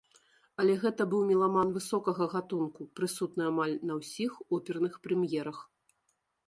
Але гэта быў меламан высокага гатунку, прысутны амаль на ўсіх оперных прэм'ерах.